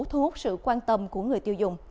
thu hút sự quan tâm của người tiêu dùng